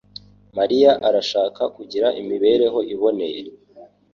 Mariya arashaka kugira imibereho iboneye.